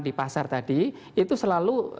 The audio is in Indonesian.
di pasar tadi itu selalu